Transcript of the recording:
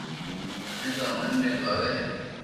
مني تو ھمج ۾ آئي ھي